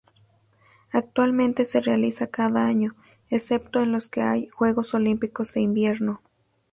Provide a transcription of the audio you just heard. Actualmente se realiza cada año, excepto en los que hay Juegos Olímpicos de Invierno.